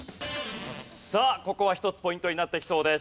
さあここは一つポイントになってきそうです。